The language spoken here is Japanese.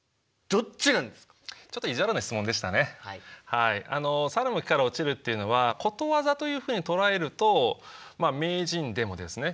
はい猿も木から落ちるっていうのはことわざというふうに捉えると名人でもですね